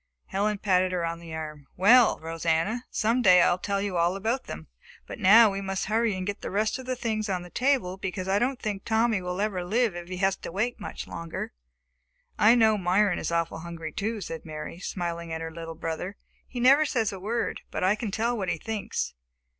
Helen patted her on the arm. "Well, Rosanna, some day I will tell you all about them, but now we must hurry and get the rest of the things on the table because I don't think Tommy will ever live if he has to wait much longer." "I know Myron is awfully hungry too," said Mary, smiling at her little brother. "He never says a word, but I can tell what he thinks.